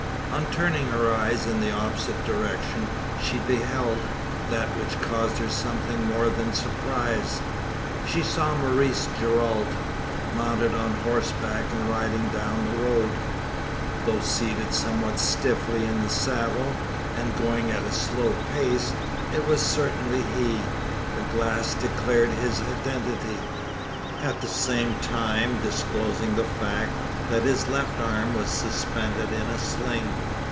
On turning her eyes in the opposite direction, she beheld that which caused her something more than surprise. She saw Maurice Gerald, mounted on horseback, and riding down the road! Though seated somewhat stiffly in the saddle, and going at a slow pace, it was certainly he. The glass declared his identity; at the same time disclosing the fact, that his left arm was suspended in a sling.